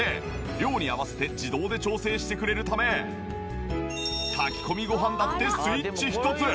量に合わせて自動で調整してくれるため炊き込みごはんだってスイッチ１つ。